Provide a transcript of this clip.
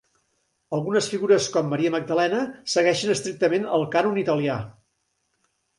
Algunes figures, com Maria Magdalena, segueixen estrictament el cànon italià.